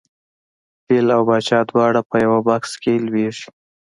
فیل او پاچا دواړه په یوه بکس کې لویږي.